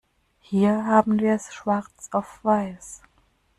Hier haben wir es schwarz auf weiß.